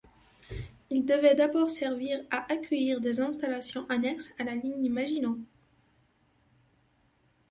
Il devait d'abord servir à accueillir des installations annexes à la ligne Maginot.